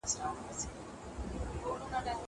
هغه وويل چي امادګي مهم دی!!